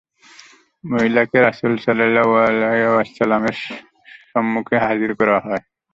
মহিলাকে রাসূল সাল্লাল্লাহু আলাইহি ওয়াসাল্লাম-এর সম্মুখে হাজির করা হয়।